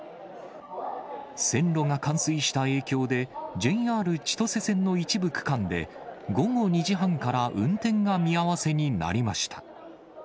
線路が冠水した影響で、ＪＲ千歳線の一部区間で、午後２時半から運転が見合わせになりました。